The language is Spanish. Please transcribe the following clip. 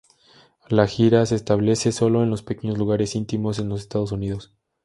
La gira se establece sólo en los pequeños lugares íntimos en los Estados Unidos.